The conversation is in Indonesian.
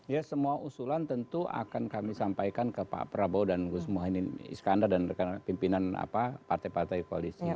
ya semua usulan tentu akan kami sampaikan ke pak prabowo dan gus mohanin iskandar dan pimpinan apa partai partai kualisinya